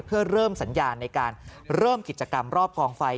เพื่อเริ่มสัญญาณในการเริ่มกิจกรรมรอบกองไฟ